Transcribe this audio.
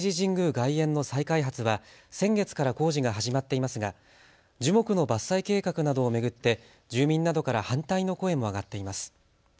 外苑の再開発は先月から工事が始まっていますが樹木の伐採計画などを巡って住民などから反対の声も上がっています。